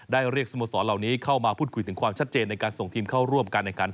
ได้เรียกสรมสอนเหล่านี้เข้ามาพูดคุยถึงความชัดเจนในส่วนส่งทีมเข้าร่วมกันการ